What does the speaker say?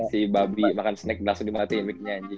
si babi makan snack langsung dimatiin mic nya anjir